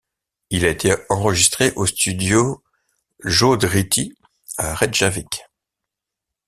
Il a été enregistré aux studios Hljóðriti à Reykjavik.